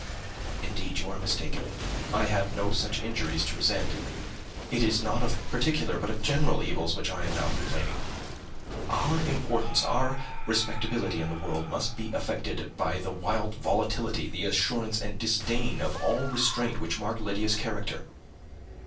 "Indeed, you are mistaken. I have no such injuries to resent. It is not of peculiar, but of general evils, which I am now complaining. Our importance, our respectability in the world, must be affected by the wild volatility, the assurance and disdain of all restraint which mark Lydia's character.